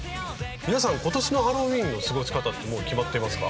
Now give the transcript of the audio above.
皆さん今年のハロウィーンの過ごし方ってもう決まっていますか？